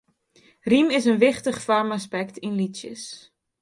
Rym is in wichtich foarmaspekt yn lietsjes.